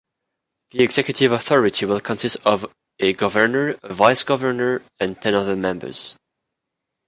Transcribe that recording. The executive authority will consist of a governor a vice-governor and ten other members.